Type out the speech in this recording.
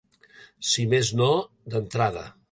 Si més no, d’entrada.